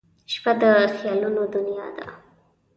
• شپه د خیالونو دنیا ده.